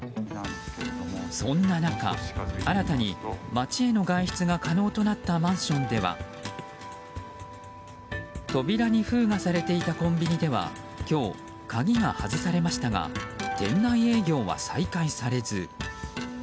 そんな中、新たに街への外出が可能となったマンションでは扉に封がされていたコンビニでは今日、鍵が外されましたが店内営業は再開されず。